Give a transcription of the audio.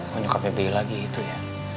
kok nyokapnya bella gitu ya